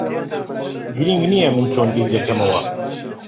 گرنگ نییە من چۆن بیر دەکەمەوە.